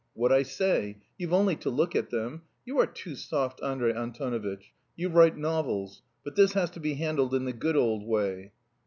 "What I say. You've only to look at them. You are too soft, Andrey Antonovitch; you write novels. But this has to be handled in the good old way."